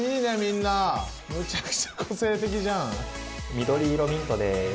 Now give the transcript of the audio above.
緑色ミントです。